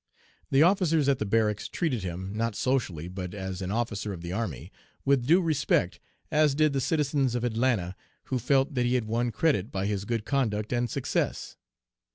The officers at the barracks treated him not socially, but as an officer of the army with due respect, as did the citizens of Atlanta, who felt that he had won credit by his good conduct and success.